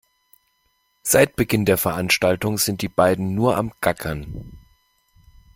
Seit Beginn der Veranstaltung sind die beiden nur am Gackern.